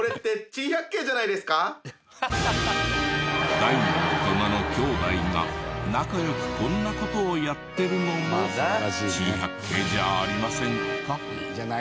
大の大人の姉弟が仲良くこんな事をやってるのも珍百景じゃありませんか？